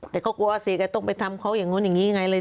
แต่ก็กลัวว่าเสียแกต้องไปทำเขาอย่างนู้นอย่างนี้ยังไงเลย